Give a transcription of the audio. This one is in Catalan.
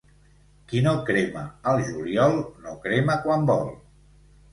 Qui no crema al juliol, no crema quan vol.